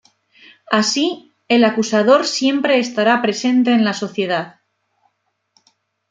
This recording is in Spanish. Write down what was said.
Así, el acusador siempre estará presente en la sociedad.